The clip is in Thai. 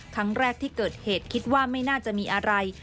ครั้งแรกที่เกิดเหตุคิดว่าไม่น่าจะมีอะไร